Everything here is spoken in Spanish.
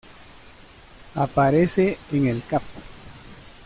Aparece en el cap.